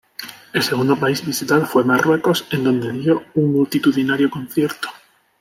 El segundo país visitado fue Marruecos, en donde dio un multitudinario concierto.